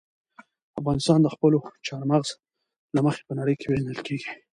افغانستان د خپلو چار مغز له مخې په نړۍ کې پېژندل کېږي.